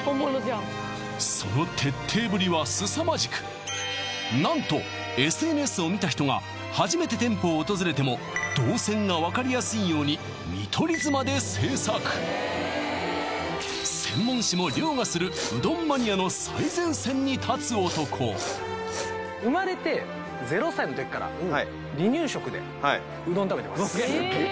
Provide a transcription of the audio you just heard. その徹底ぶりはすさまじく何とＳＮＳを見た人が初めて店舗を訪れても動線が分かりやすいように見取り図まで制作専門誌も凌駕するうどんマニアの最前線に立つ男生まれて０歳の時からはい離乳食でうどん食べてますすげー